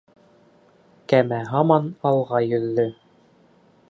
Кәмә һаман алға йөҙҙө.